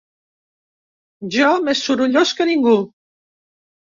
Jo més sorollós que ningú.